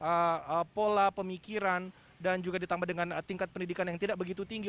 ada pola pemikiran dan juga ditambah dengan tingkat pendidikan yang tidak begitu tinggi